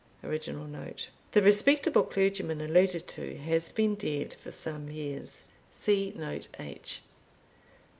Original Note. The respectable clergyman alluded to has been dead for some years. [See note H.